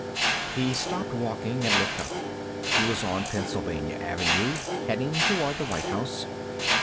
He stopped walking and looked up. He was on Pennsylvania Avenue, heading toward the White House.